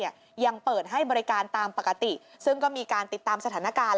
ยังเปิดให้บริการตามปกติซึ่งก็มีการติดตามสถานการณ์